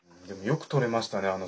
でもよくとれましたね